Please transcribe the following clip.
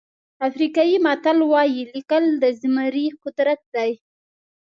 افریقایي متل وایي لیکل د زمري قدرت دی.